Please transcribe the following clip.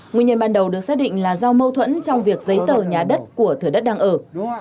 nguyên nhân ban đầu được xác định là do mâu thuẫn trong việc giấy tờ nhà đất của thửa đất đang ở